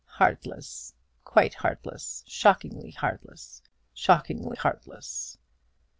"Heartless, quite heartless; shockingly heartless, shockingly heartless!"